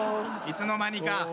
いつの間にか。